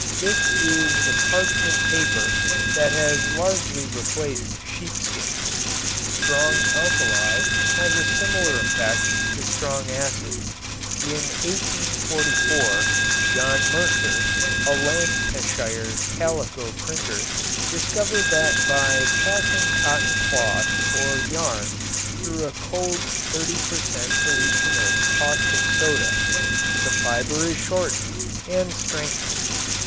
This is the "parchment paper" that has largely replaced sheepskin. Strong alkali has a similar effect to strong acid. In 1844 John Mercer, a Lancashire calico printer, discovered that by passing cotton cloth or yarn through a cold 30 per cent. solution of caustic soda the fiber is shortened and strengthened.